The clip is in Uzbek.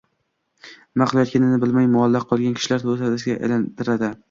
nima qilayotganini bilmay muallaq qolgan kishilar to‘dasiga aylantiradi.